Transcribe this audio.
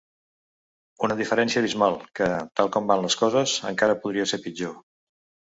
Una diferència abismal, que, tal com van les coses, encara podria ser pitjor.